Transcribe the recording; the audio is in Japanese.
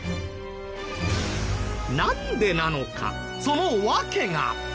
なんでなのかその訳が。